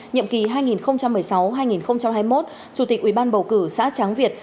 nhiệm kỳ hai nghìn một mươi sáu hai nghìn hai mươi một chủ tịch ủy ban bầu cử xã tráng việt